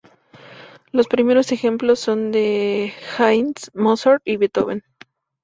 Los primeros ejemplos son de Haydn, Mozart y Beethoven.